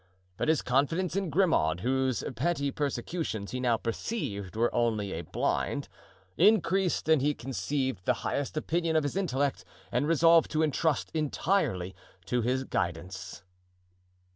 But his confidence in Grimaud, whose petty persecutions he now perceived were only a blind, increased, and he conceived the highest opinion of his intellect and resolved to trust entirely to his guidance.